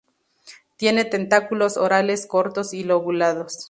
Tiene tentáculos orales cortos y lobulados.